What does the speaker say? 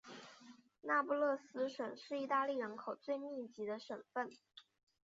那不勒斯省是意大利人口最密集的省份。